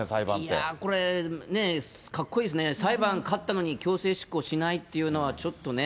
いやこれ、かっこいいですね、裁判勝ったのに強制執行しないというのはちょっとね。